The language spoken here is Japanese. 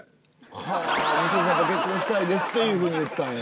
はあ娘さんと結婚したいですっていうふうに言ったんや。